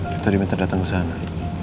kita diminta datang ke sana